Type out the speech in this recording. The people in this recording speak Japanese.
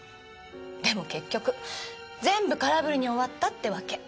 でも結局全部空振りに終わったってわけ。